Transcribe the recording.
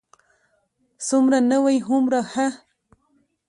څومره نوی، هومره ښه.